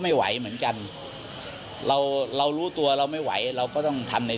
ไม่ไหวเหมือนกันเราเรารู้ตัวเราไม่ไหวเราก็ต้องทำใน